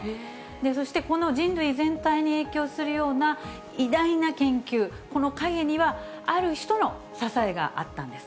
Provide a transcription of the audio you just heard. そして、この人類全体に影響するような偉大な研究、この陰にはある人の支えがあったんです。